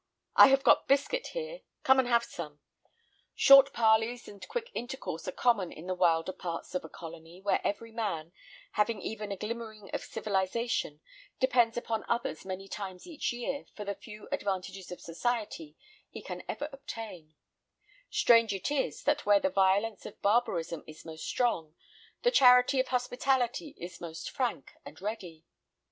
I have got biscuit here; come and have some." Short parleys and quick intercourse are common in the wilder parts of a colony, where every man, having even a glimmering of civilisation, depends upon others many times each year for the few advantages of society he can ever obtain; Strange it is, that where the violence of barbarism is most strong, the charity of hospitality is most frank and ready.